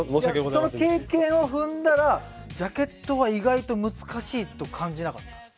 その経験を踏んだらジャケットは意外と難しいと感じなかったです。